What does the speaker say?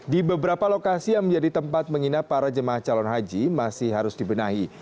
di beberapa lokasi yang menjadi tempat menginap para jemaah calon haji masih harus dibenahi